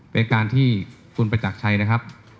เป็นการที่คุณประจักรชัยนะครับ